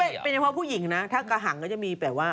แล้วจะเป็นเรื่องของผู้หญิงนะถ้ากระหังก็จะมีแบบว่า